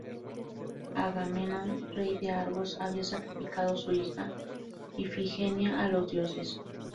Agamenón, rey de Argos, había sacrificado su hija Ifigenia a los dioses.